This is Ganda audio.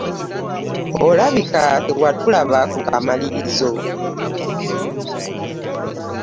Olabika tewatulaba ku kamalirizo.